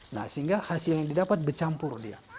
nah sehingga hasil yang didapat bercampur dia